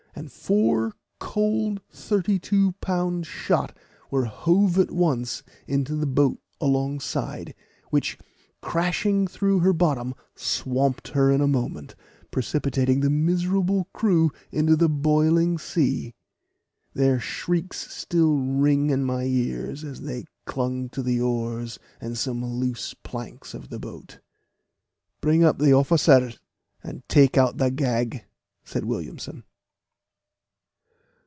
and four cold 32 pound shot were hove at once into the boat alongside, which, crashing through her bottom, swamped her in a moment, precipitating the miserable crew into the boiling sea. Their shrieks still ring in my ears as they clung to the oars and some loose planks of the boat. "Bring up the officer, and take out the gag," said Williamson.